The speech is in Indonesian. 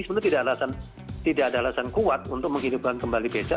sebenarnya tidak ada alasan kuat untuk menghidupkan kembali becak